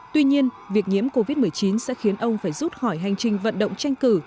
tuy nhiên việc nhiễm covid một mươi chín sẽ khiến ông phải rút hỏi hành trình vận động tranh cử